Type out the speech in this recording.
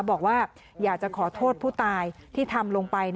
บอกว่าอยากจะขอโทษผู้ตายที่ทำลงไป